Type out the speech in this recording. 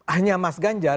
hanya mas ganjar